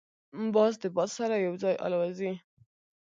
باز د باد سره یو ځای الوزي